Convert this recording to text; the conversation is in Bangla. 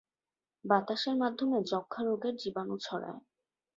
বাতাসের মাধ্যমে যক্ষা রোগের জীবাণু ছড়ায়।